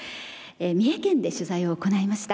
三重県で取材を行いました。